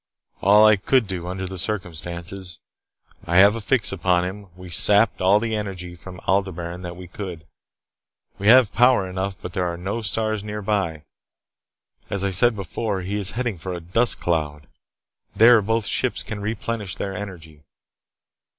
"All that I could do under the circumstances. I have a fix upon him. We sapped all the energy from Aldebaran that we could. We have power enough, but there are no stars nearby. As I said before, he is heading for a dust cloud. There, both ships can replenish their energy.